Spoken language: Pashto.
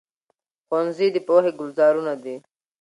ښوونځي د پوهې ګلزارونه دي.